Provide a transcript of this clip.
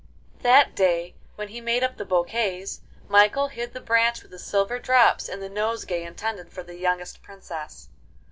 X That day, when he made up the bouquets, Michael hid the branch with the silver drops in the nosegay intended for the youngest Princess.